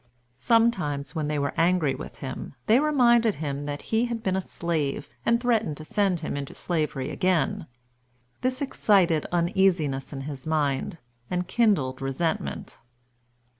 Sometimes, when they were angry with him, they reminded him that he had been a slave, and threatened to send him into slavery again. This excited uneasiness in his mind, and kindled resentment.